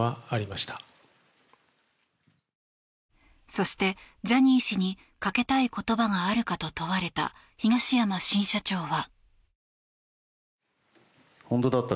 そして、ジャニー氏にかけたい言葉があるかと問われた東山新社長は。